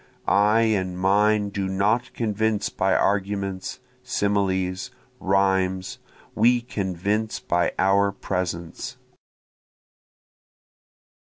(I and mine do not convince by arguments, similes, rhymes, We convince by our presence.)